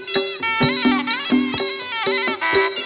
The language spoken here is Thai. โชว์ที่สุดท้าย